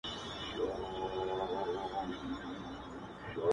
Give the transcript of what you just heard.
څه دي زده نه کړه د ژوند په مدرسه کي,